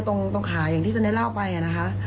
ตรงขาอย่างที่ฉันได้เล่าไปนะคะ